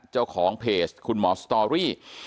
เจ้าของเพจคุณหมอสตอรี่